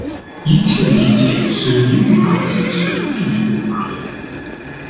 一切一切使民主党的声势进一步滑落。